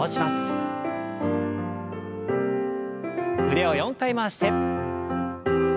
腕を４回回して。